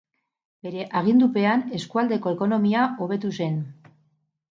Bere agindupean eskualdeko ekonomia hobetu zen.